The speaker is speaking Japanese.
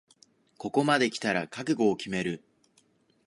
ここまできたら覚悟を決める